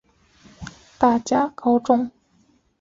大甲高中